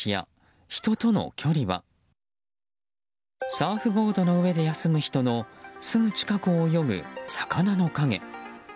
サーフボードの上で休む人のすぐ近くを泳ぐ魚の影。